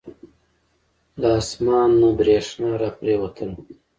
له اسمان نه بریښنا را پریوتله.